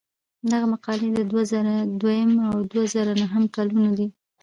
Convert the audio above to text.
دغه مقالې د دوه زره دویم او دوه زره نهم کلونو دي.